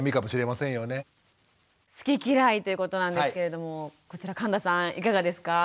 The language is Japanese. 好き嫌いということなんですけれどもこちら神田さんいかがですか？